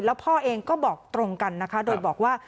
แล้วพ่อเองก็บอกตรงกันนะคะโดยบอกว่า